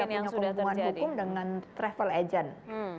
kami tidak punya hubungan hukum dengan travel agent